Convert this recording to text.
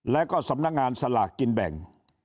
แล้วก็สำนักงานสลากกินแบ่ง